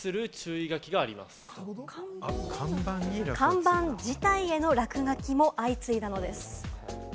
看板自体への落書きも相次いだのです。